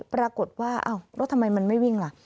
ปรากฏว่ารถทำไมมันไม่วิ่งล่ะ